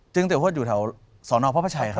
จึงเตี๋ยวหวัดอยู่ที่สอนออกพระพระชัยครับ